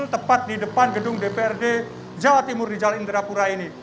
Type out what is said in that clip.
tepat di depan gedung dprd jawa timur di jal indra pura ini